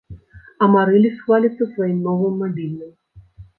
Амарыліс хваліцца сваім новым мабільным.